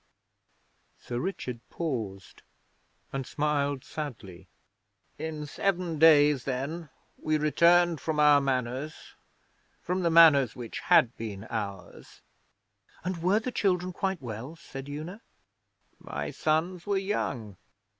"' Sir Richard paused and smiled sadly. 'In seven days, then, we returned from our Manors from the Manors which had been ours.' 'And were the children quite well?' said Una. 'My sons were young.